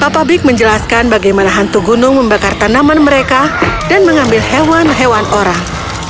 pabrik menjelaskan bagaimana hantu gunung membakar tanaman mereka dan mengambil hewan hewan orang